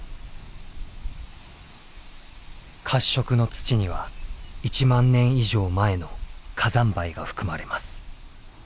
褐色の土には１万年以上前の火山灰が含まれます。